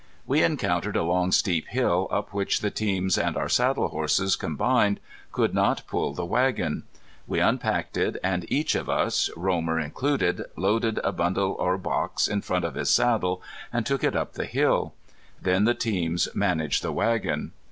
We encountered a long, steep hill up which the teams, and our saddle horses combined, could not pull the wagon. We unpacked it, and each of us, Romer included, loaded a bundle or box in front of his saddle, and took it up the hill. Then the teams managed the wagon.